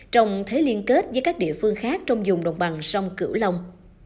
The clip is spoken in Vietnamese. trong thế liên kết với các địa phương khác trong dùng đồng bằng sông cửu long